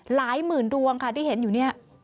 หลายหมื่นดวงค่ะที่เห็นอยู่เนี่ย